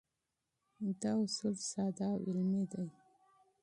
دا اصول ساده او عملي دي.